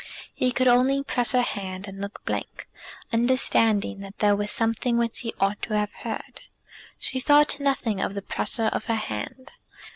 He could only press her hand, and look blank, understanding that there was something which he ought to have heard. She thought nothing of the pressure of her hand.